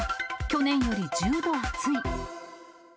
去年より１０度暑い。